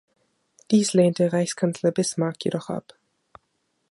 Dies lehnte Reichskanzler Bismarck jedoch ab.